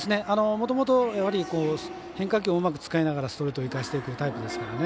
もともと、変化球をうまく使いながらストレートを生かしていくタイプですからね。